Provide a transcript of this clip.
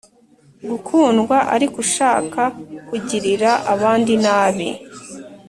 gukundwa Ariko ushaka kugirira abandi inabi